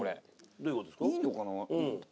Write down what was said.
どういう事ですか？